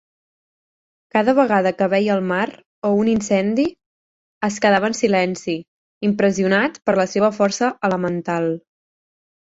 Cada vegada que veia el mar o un incendi, es quedava en silenci, impressionat per la seva força elemental.